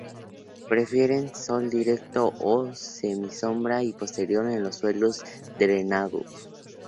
Prefieren sol directo o semisombra y prosperan en suelos drenados.